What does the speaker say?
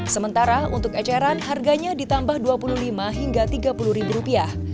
sementara untuk ajaran harganya ditambah rp dua puluh lima hingga rp tiga puluh